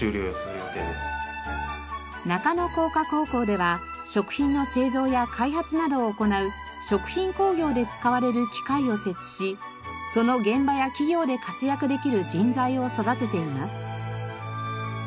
中野工科高校では食品の製造や開発などを行う食品工業で使われる機械を設置しその現場や企業で活躍できる人材を育てています。